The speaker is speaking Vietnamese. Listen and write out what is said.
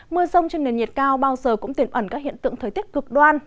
mưa rông trên nền nhiệt cao bao giờ cũng tiềm ẩn các hiện tượng thời tiết cực đoan